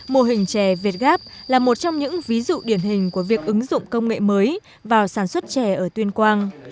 mô hình chè việt gáp là một trong những ví dụ điển hình của việc ứng dụng công nghệ mới vào sản xuất chè ở tuyên quang